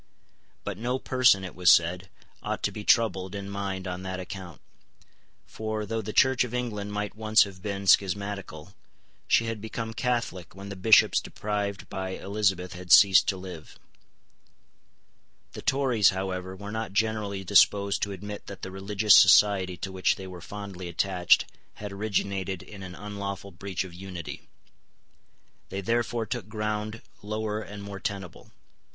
But no person, it was said, ought to be troubled in mind on that account; for, though the Church of England might once have been schismatical, she had become Catholic when the Bishops deprived by Elizabeth had ceased to live. The Tories, however, were not generally disposed to admit that the religious society to which they were fondly attached had originated in an unlawful breach of unity. They therefore took ground lower and more tenable.